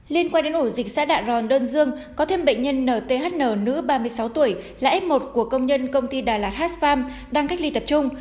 liên quan đến ổ dịch xã đạ ròn đơn dương có thêm bệnh nhân nthn nữ ba mươi sáu tuổi là f một của công nhân công ty đà lạt hasharm đang cách ly tập trung